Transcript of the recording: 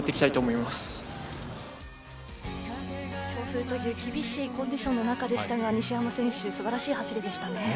強風という厳しいコンディションの中でしたが西山選手、すばらしい走りでしたね